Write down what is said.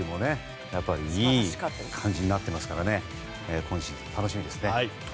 いい感じになっていますから今シーズン楽しみですね。